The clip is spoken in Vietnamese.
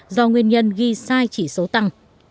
do nguyên nhân ghi sai chỉ số tăng